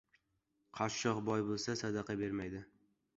• Qashshoq boy bo‘lsa, sadaqa bermaydi.